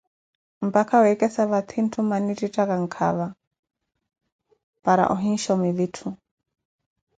Mpaka weekesa vathi mmana ntthu eettettakha nkava, para ohinshomi vitthu.